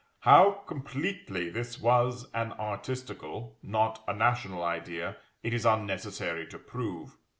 How completely this was an artistical, not a national idea, it is unnecessary to prove.